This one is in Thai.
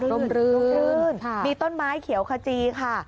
โรมรื่นมีต้นไม้เขียวขจีค่ะ